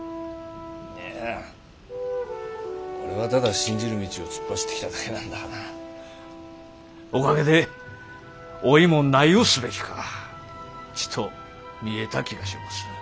いや俺はただ信じる道を突っ走ってきただけなんだがな。おかげでおいも何をすべきかちと見えた気がしもす。